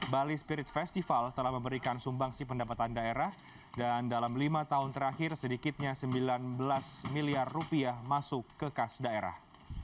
bali spirit festival telah memberikan sumbangsi pendapatan daerah dan dalam lima tahun terakhir sedikitnya sembilan belas miliar rupiah masuk ke kas daerah